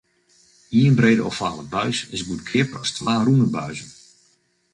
Ien brede ovale buis is goedkeaper as twa rûne buizen.